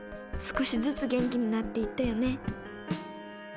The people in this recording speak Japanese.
少しずつ元気になっていったよね。